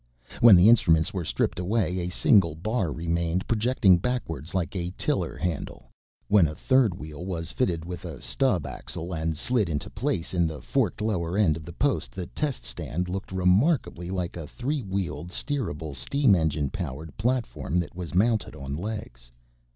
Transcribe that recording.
When the instruments were stripped away a single bar remained projecting backwards like a tiller handle. When a third wheel was fitted with a stub axle and slid into place in the forked lower end of the post the test stand looked remarkably like a three wheeled, steerable, steam engine powered platform that was mounted on legs.